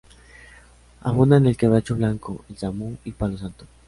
Abundan el quebracho blanco, el samu’u y palo santo.